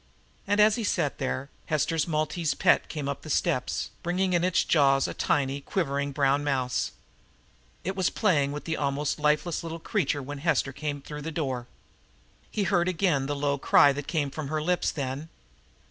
And as he sat there, Hester's maltese pet came up the steps, bringing in its jaws a tiny, quivering brown mouse. It was playing with the almost lifeless little creature when Hester came through the door. He heard again the low cry that came from her lips then.